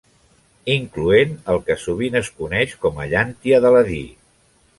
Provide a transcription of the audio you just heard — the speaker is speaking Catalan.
Incloent el que sovint es coneix com a llàntia d'Aladí.